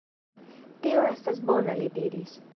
Tio estas bona, li diris.